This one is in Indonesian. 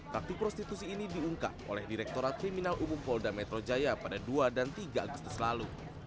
taktik prostitusi ini diungkap oleh direkturat kriminal umum polda metro jaya pada dua dan tiga agustus lalu